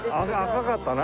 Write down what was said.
赤かったな。